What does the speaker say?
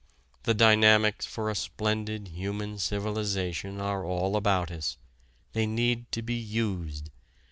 The dynamics for a splendid human civilization are all about us. They need to be used.